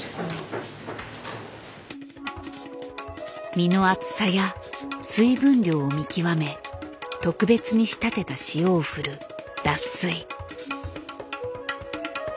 身の厚さや水分量を見極め特別に仕立てた塩を振る「脱水」。